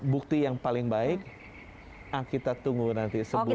bukti yang paling baik kita tunggu nanti sebulan lagi